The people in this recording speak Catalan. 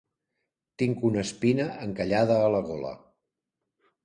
Tinc una espina encallada a la gola.